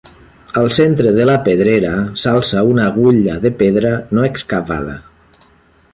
Al centre de la pedrera s'alça una agulla de pedra no excavada.